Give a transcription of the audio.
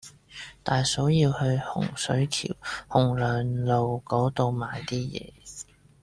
大嫂要去洪水橋洪亮路嗰度買啲嘢